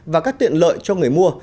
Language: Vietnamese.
và các tiện lợi cho người mua